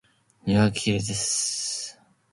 庭はきれいです。